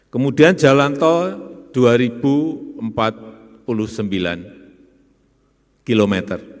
kemudian jalan tol dua ribu empat puluh sembilan km